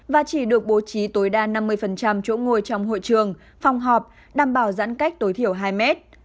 và chỉ được bố trí tối đa năm mươi chỗ ngồi trong hội trường phòng họp đảm bảo giãn cách tối thiểu hai mét